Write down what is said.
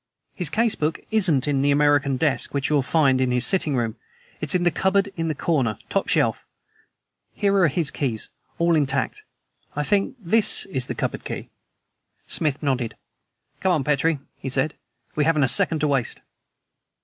His case book isn't in the American desk, which you'll find in his sitting room; it's in the cupboard in the corner top shelf. Here are his keys, all intact. I think this is the cupboard key." Smith nodded. "Come on, Petrie," he said. "We haven't a second to waste."